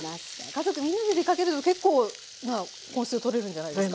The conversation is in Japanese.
家族みんなで出かけると結構な本数とれるんじゃないですか。